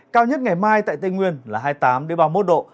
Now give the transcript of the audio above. cao nhất ngày mai tại tây nguyên là hai mươi tám ba mươi một độ